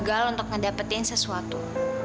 gagal untuk ngedapetin sesuatu